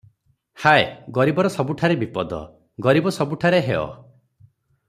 ହାୟ, ଗରିବର ସବୁଠାରେ ବିପଦ- ଗରିବ ସବୁଠାରେ ହେୟ ।